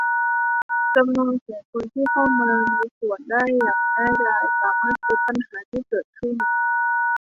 จำนวนของคนที่เข้ามามีส่วนได้อย่างง่ายดายสามารถชี้ปัญหาที่เกิดขึ้น